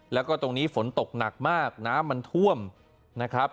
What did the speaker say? แล้วก็ตรงนี้ฝนตกหนักมากน้ำมันท่วมนะครับ